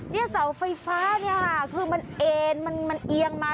เนี่ยเสาไฟฟ้าเนี่ยคือมันเอ็นมันเอียงมา